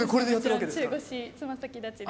中腰爪先立ちで。